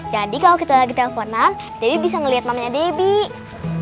jadi kalau kita lagi teleponan debbie bisa ngeliat mamanya debbie